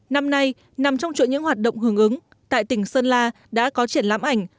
năm nay nằm trong chuỗi những hoạt động hưởng ứng tại tỉnh sơn la đã có triển lãm ảnh